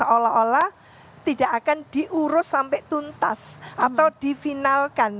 ola ola tidak akan diurus sampai tuntas atau divinalkan